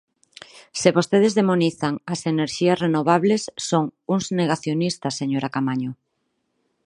Se vostedes demonizan as enerxías renovables, son uns negacionistas, señora Caamaño.